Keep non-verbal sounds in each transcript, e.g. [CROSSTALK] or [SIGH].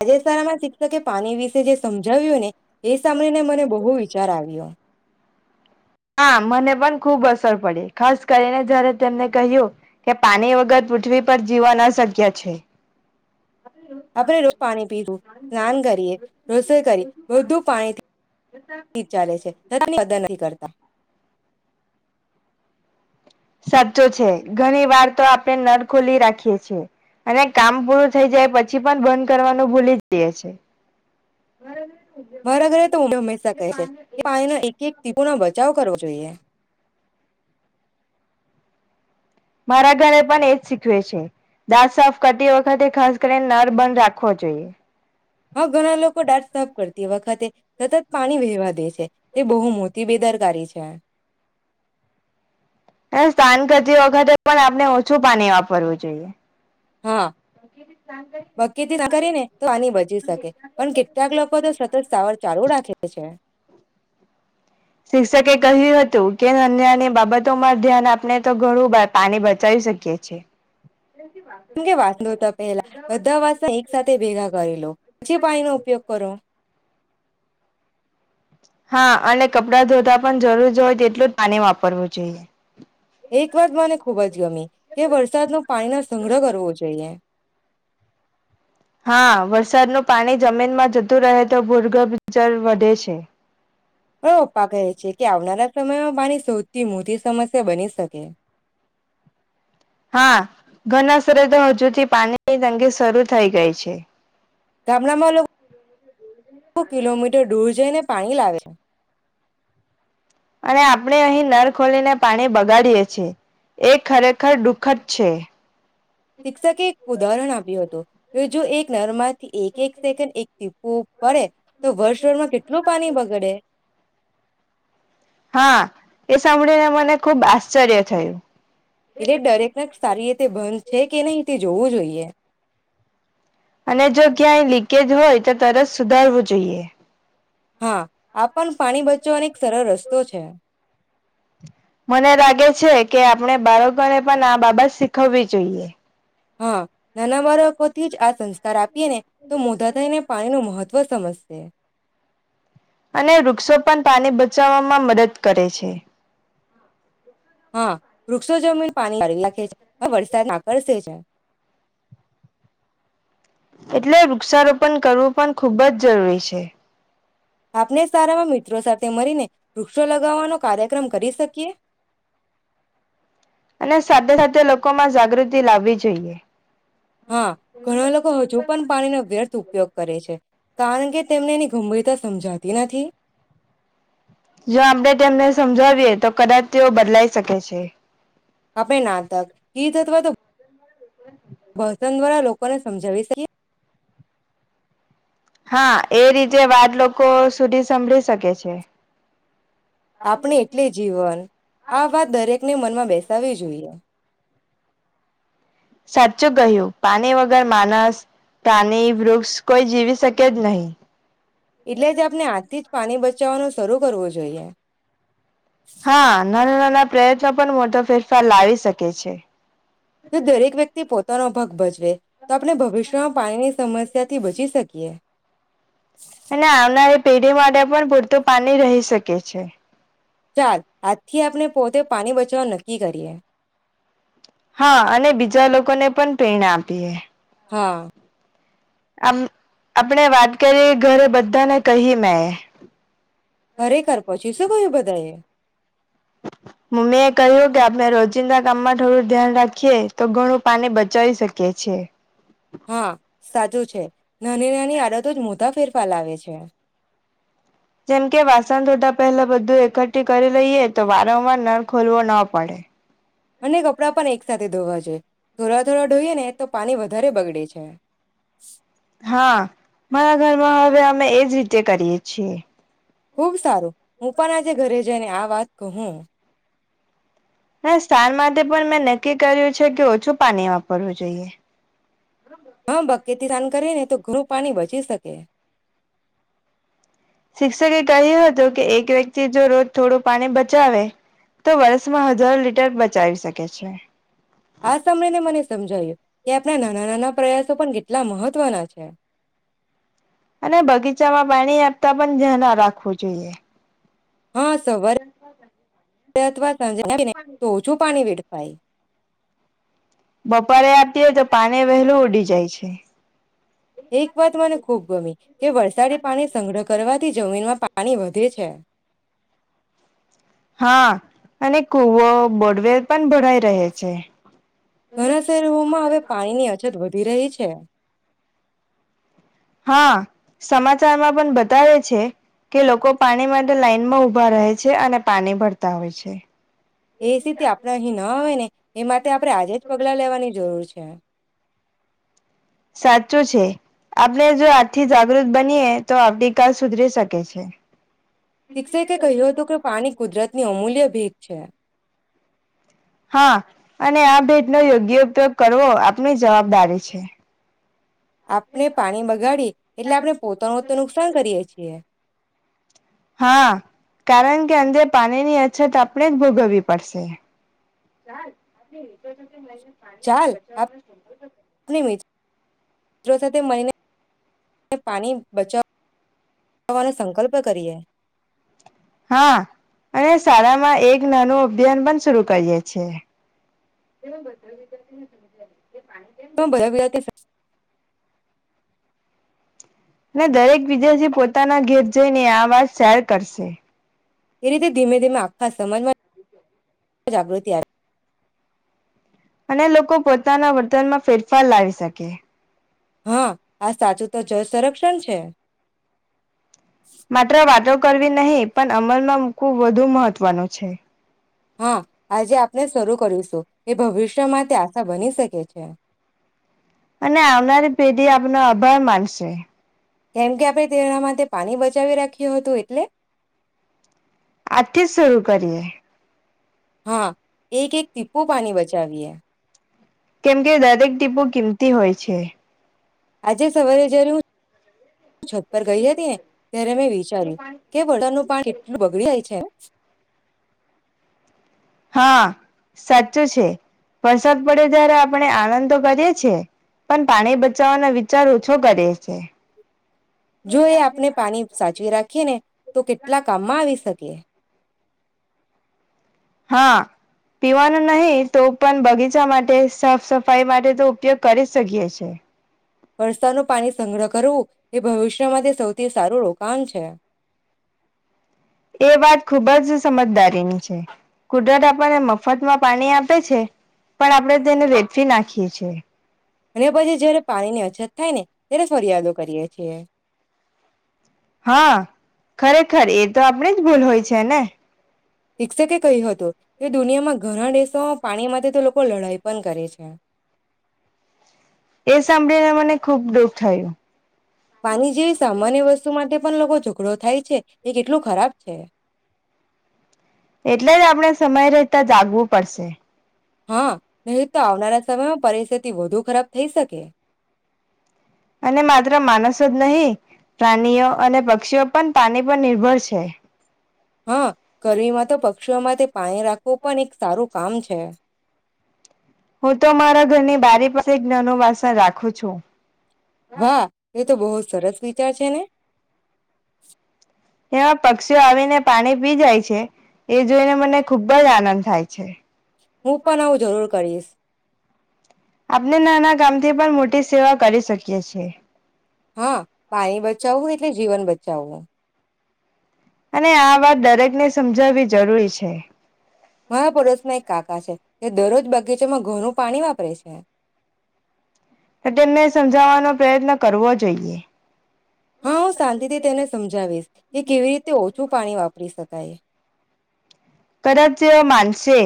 રાજજેસરામાં શિક્ષકે પાણી વિશે જે સમજાવ્યું ને એ સાંભળીને મને બહુ વિચાર આવ્યો હા મને પણ ખુબ અસર પડીે ખાસ કરીને જયારે તેમને કહ્યું કે પાણી વગર પૃથ્વી પર જીવા અશક્ય છે. આપણે રોજ પાણી પીવું સ્નાન કરીએ રસોઈ કરી બધું પાણીથી ચાલે છેની મદ કરતી [INAUDIBLE] સાચો છે ઘણી વાર તો આપણે નળ ખોલી રાખીએ છીએ અને કામ પૂરું થઈ જાય પછી પણ બંધ કરવાનું ભૂલી જઈએ છીએ. મારા ઘરે તો હંમેશા કહે છે કે પાના એક એક તીપો ના બચાવ કરવો જોઈએ. મારા ઘરે પણ એજ શીખવે છે. દાંત સાફ કરતી વખતે ખાસ કરીને નર બંધ રાખવો જોઈએ. હા ઘણા લોકો દાંત સાફ કરતી વખત સતત પાણી ભેહવા દે છે તે બહુ મોટી બેદાર કરી છે સ્નાન કરતી વખતે પણ આપણે ઓછું પાણી વાપરવું જોઈએ. હા ભકીથી ના કરીને તો આની બચી શકે પણ કેટલાક લોકો તો સતત સવાર ચાલુ રાખે છે. શિક્ષકે કહ્યું હતું કે અન્યાની બાબતોમાં ધ્યાન આપને તો ઘણું પાણી બચાવી શકી છે. કેમ કે વાત નતા પેલા બધા વાતા એક સાથે ભેગા કરી લો પછી પાણી નો ઉપયોગ કરો હા અને કપડા ધોતા પણ જરૂર હોય તેટલું જ પાણી વાપરવું જોઈએ. એક વાત મને ખુબ જ ગમી કે વરસાદનો પાણી ન સંગ્રહ કરવો જોઈએ. હા વરસાદનું પાણી જમીનમાં જતું રહે તો ભૂગભ જર વધે છે. હ પપ્પા કહે છે કે આવનારા સમયમાં પાણી શોધથી મોટી સમસ્યા બની શકે. હા ઘરણા શરે તો હજુથી પાણીની તંગી શરૂ થઈ ગઈ છે. ગામડામાં લોકો કિલોમીટર દૂર જઈને પાણી લાવે છે અને આપણે અહીં નર ખોલીને પાણી બગાડીએ છીએ એ ખરેખર દુઃખદ છે. શિક્ષકે એક ઉદાહરણ આપ્યું હતું. તો જો એક નરમાંથી એક એક સેકન્ડ એક ટીપું પડે તો વર્ષળમાં કેટલું પાણી બગડે. હા એ સાંભળીને મને ખુબ આશ્ચર્ય થયું. એટલે દરેક નળ સારી રીતે બંધ છે કે નહિ જોવું જોઈએ અને જો ક્યાંય લીકેજ હોય તો તરત સુધારવું જોઈએ હા આ પણ પાણી બચવાનો એક સરળ રસ્તો છે મને લાગે છે કે આપણે બાળકોને પણ આ બાબત શીખવવી જોઈએ. હા નાના બાળકો થી જ આ સંસ્કાર આપ પીને ને તો મોતા થઈને પાણી નો મહત્વ ત્ત્વ સમજશે. અને વૃક્ષો પણ પાણી બચાવવામાં મદદ કરે છે. હા વૃક્ષો જમીન પાણી ભરી નાખે છે હવે વરસાદ આકર્ષ છે. એટલે વૃક્ષારોપણ કરવું પણ ખુબ જ જરૂરી છે. આપણે શાળામાં મિત્રો સાથે મરીને વૃક્ષો લગાવવાનો કાર્યક્રમ કરી શકીએ? અને સાથે સાથે લોકો માં જાગૃતિ લાવવી જોઈએ. હા ઘણા લોકો હજુ પણ પાણીનો વ્યર્થ ઉપયોગ કરે છે, કારણ કે તેમને એની ગંભીરતા સમજાતી નથી. જો આપડે તેમને સમજાવીએ તો કદાચ તેઓ બદલાઈ શકે છે. આપડે નાતક ગીત અથવા તો, બજન દ્વારા લોકોને સમજાવી શકીએ. હા, એ રીતે વાત લોકો સુધી સંભળી સકે છે. આપણે એટલે જીવન, આ વાત દરેકને મનમાં બેસાવવી જોઈએ. સાચું કહ્યું પાની વગર માનસ, પ્રાની, વૃક્ષ કોઈ જીવી સકે જ નહી. એટલે જ આપને આજથી જ પાની બચાવવાનું શરૂ કરવું જોઈએ. હા [UNINTELLIGIBLE] ના પ્રયત્નો પણ મોટો ફેરફાર લાવી શકે છે. તો દરેક વ્યક્તિ પોત તાનો ભાગ ભજવે તો આપને ભવિષ્યમાં પાણીની સમસ્યાથી બચી સકીએ. અને આવનારી પેઢી માટે પણ પૂરતું પાની રહી શકે છે. ચાલ આજ થી આપને પોતે પાની બચાવાનું નક્કી કરીએ. હા, અને બીજા લોકોને પન પ્રેરણા આપીએ. હા. આમ, આપણે વાત કરી એ ઘરે બધ્ધાને કહી મેં. ખરેખર, પછી શું કહ્યું બધાએ? મમ્મીએ કહ્યું કે આપ ણે રોજિંદા કામમાં થોડું ધ્યાન રાખીએ તો ઘણું પાની બચાવી શકીએ છે. હા સાચું છે, નાની-નાની આડતો જ મોટા ફેરફાર આવે છે. જેમકે, વાસણ ધોતા પહેલા બધું એકઠી કરી લઈએ તો વારંવાર નળ ખોલવો ન પડે. અને કપડાં પન એક સાથે ધોવા જોઈએ. થોડા ધોડા ઢોઈએ ને તો પાણી વધારે બગડે છે [INAUDIBLE] હા મારા ઘરમાં હવે અમે એજ રીતે કરીએ છીએ ખુબ સારું હું પણ આજે ઘરે જઈને આ વાત કહું હ સ્થાન માટે પણ મેં નક્કી કર્યું છે કે ઓછું પાણી વાપરવું જોઈએ હા બકેથી સ્નાન કરીએ ને તો ઘરું પાણી બચી શકે શિક્ષકે કહ્યું હતું કે એક વ્યક્તિ જો રોજ થોડું પાણી બચાવે તો વર્ષમાં હજારો લીટર બચાવી શકે છે આ સમય ને મને સમજાયું કે આપણા નાના નાના પ્રયાસો પણ કેટલા મહત્વના છે અને બગીચામાં પાણી આપતા પણ ધ્યા ના રાખવું જોઈએ [INAUDIBLE] હા સવારે અથવા જ તો છું પાણી વેડ પાય બપોરે આપતી હોય તો પાને વહેલું ઉડી જાય છે એક વાત મને ખુબ ગમી કે વરસાદી પાણી સંગ્રહ કરવાથી જમીનમાં પાણી વધે છે હા અને કુવો બોડવેર પણ ભણઈ રહે છે ઘણા શહેરોમાં હવે પાણીની અછત વધી રહી છે છે હા સમાચારમાં પણ બતાવે છે કે લોકો પાણી માટે લાઈનમાં ઊભા રહે છે અને પાણી ભરતા હોય છે એ સ્િ આપણા અહીં ના આવે ને એ માટે આપણે આજે જ પગલાં લેવાની જરૂર છે ક્યા સાચું છે આપણે જો આજથી જાગૃત બનીએ તો આવતીકાલ સુધરી શકે છે શિક્ષકે કહ્યું હતું કે પાણી કુદરત ની અમૂલ્ય ભેગ છે હા અને આ ભેટ નો યોગ્ય ઉપયોગ કરવો આપણી જવાબદારી છે આપણે પાણી બગાડી એટલે આપણે પોતાનું તો નુકસાન કરીએ છીએ હા કારણ કે અંદે પાણી ની અછત આપણે જ ભોગવવી પડશે લઈને પાણી બચાવવાનો સંભવ મિતો સાથે મળીને પાણી બચચવાનો સંકલ્પ કરીએ હા અને શાળામાં એક નાનું અભિયાન પણ શર કરીયે છે [UNINTELLIGIBLE] દરેક બીજા જે પોતાના ઘેર જઈને આ વાત શેર કરશે એ રીતે ધીમે ધીમે આખા સમાજમાં [INAUDIBLE] જાગૃતિ આવે અને લોકો પોતાના વર્તનમાં ફેરફાર લાવી શકે હા આ સાચું તો જળ સંરક્ષણ છે માત્ર વાતો કરવી નહી પણ અમલમાં મુકવુ વધુ મહત્વનું છે. હઅ આજે આપણે શરૂ કર્યું છે એ ભવિષ્યમાં તે આશા બની શકે. [INAUDIBLE] અને આવનારી પેઢી આપણો અભાર માનશે. કેમ કે આપડે તેના માટે પાણી બચાવી રાખ્યું હતું એટલે આજથી જ શરૂ કરીએ હા એક એક ટીપુ પાણી બચાવીએ. કેમ કે દરેક ટીપૂ કિમ તી હોય છે. આજે સવારે જરૂર છત પર ગઈ જતી ને ત્યારે મેં વિચાર્યું કે બોટલનું પાણી કેટલું બગડી જાય છે [INAUDIBLE] હા, સાચું છે. વરસાદ પડે જ્યારે આપણે આનંદ તો કરીએ છીએ પણ પાણી બચાવવાનો વિચાર ઓછો કરીએ છે. જો એ આપને પાણી સાચવી રાખે કેને તો કેટલા કામમાં આવી શકે હા, પીવાનું નહી તો પણ બગીચા માટે, સાફ સફાઈ માટે તો ઉપયોગ કરી શકીએ છે. વરસાદનું પાણી સંગ્રહ કરવું એ ભવિષ્ય માટે સૌથી સારું રોકાણ છે. એ વાત ખૂબ જ સમજદારીની છે. કુદરત આપણને મફતમાં પાણી આપે છે. પણ આપણે તેને વેડફી નાખીએ છે. અને પછી જયારે પાણી ની અછત થાય ને ત્યારે ફરિયાદો કરીએ છીએ. હા, ખરેખર એ તો આપડી જ ભૂલ હોય છે ને? શિક્ષકે કહ્યું હતું. એ દુનિયામાં ઘણા દેશો પાણી માટે તો લોકો લડાઈ પણ કરે છે. એ સાંભળીને મને ખૂબ દુઃખ થયું. પાણી જેવી સામાન્ય વસ્તુ માટે પણ લોકો ઝઘડો થાય છે. એ કેટલું ખરાબ છે. એટલે જ આપણે સમય રહેતા જાગવું પડશે. હા, નહી તો આવનારા સમયમાં પરિસ્થિતિ વધુ ખરાબ થઈ શકે. અને માત્ર માણસો જ નહી, પ્રાણીઓ અને પક્ષીઓ પણ પાણી પર નિર્ભર છે. હા ગરમીમાં તો પક્ષીઓ માટે પાણી રાખવું પણ એક સારું કામ છે. હું તો મારા ઘરની બારી પાસે એક નાનું વાસણ રાખું છું. વાહ, એ તો બહુ સરસ વિચાર છે ને! એમાં પક્ષીઓ આવીને પાની પી જાય છે, એ જોઈને મને ખૂબ જ આનંદ થાય છે. હું પણ આવું જરૂર કરીશ. આપને નાના કામથી પણ મોટી સેવા કરી સકીએ છીએ. હા, પાણી બચાવવું એટલે જીવન બ ચાવવુ. અને આ વાત દરેકને સમજાવવી જરૂરી છે. મારા પડોસમાં એક કાકા છે, જે દરરોજ બગીચામાં ઘણું પાણી વાપરે છે. તો તેમને સમજાવવાનો પ્રયત્ન કરવો જોઈએ. હા, હું સાંતિથી તેને સમજાવીશ, કે કેવી રીતે ઓછું પાણી વાપરી શ કાય. કદાચ જેવા માનશે.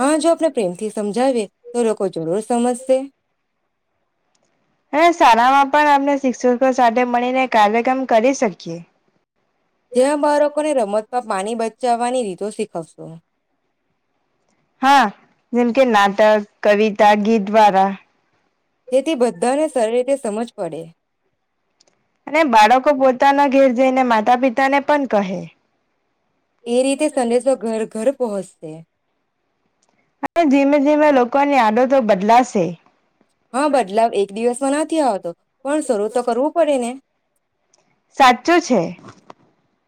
હા જો અત્યાર પ્રેમથી સમજાવે ને તો લોકો જરૂર સમજશે. અને શાળામાં પણ આપને શિક્ષકો સાથે મળીને કાર્યક્રમ કરી શકીએ. જ્યાં બાળકોની રમત તો પાણી બચાવવાની રીતો શીખવશે. હા, જેમ કે નાટક, કવિતા, ગીત દ્વારા. જેથી બધાને સારી રીતે સમજ પડે. અને બાળકો પોતાના ઘેર જઈને માતા પિતાને પણ કહે. એ રીતે સંદેશો ઘર ઘર પહોંસશે. અને ધીમે ધીમે લોકોની આદતો બદલાશે. હા બદલાવ એક દિવસ ના નથી આવતો. પણ શરૂ તો કરવું પડે ને. સાચું છે.